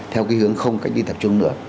theo cái hướng không cách ly tập trung nữa